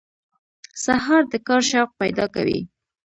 سهار د کار شوق پیدا کوي.